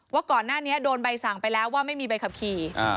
ว่าก่อนหน้านี้โดนใบสั่งไปแล้วว่าไม่มีใบขับขี่